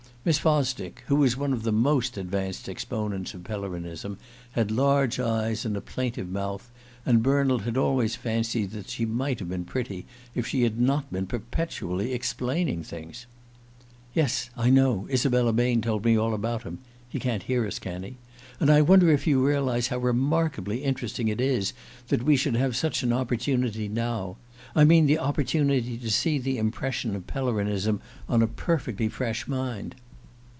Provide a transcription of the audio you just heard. Miss Fosdick, who was one of the most advanced exponents of Pellerinism, had large eyes and a plaintive mouth, and Bernald had always fancied that she might have been pretty if she had not been perpetually explaining things. "Yes, I know Isabella Bain told me all about him. (He can't hear us, can he?) And I wonder if you realize how remarkably interesting it is that we should have such an opportunity now I mean the opportunity to see the impression of Pellerinism on a perfectly fresh mind.